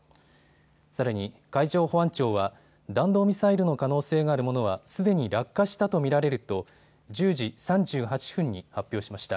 さらに海上保安庁は弾道ミサイルの可能性があるものはすでに落下したと見られると１０時３８分に発表しました。